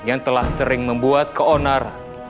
yang telah sering membuat keonar